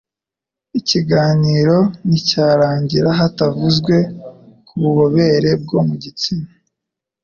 ikiganiro nticyarangira hatavuzwe ku bubobere bwo mu gitsina.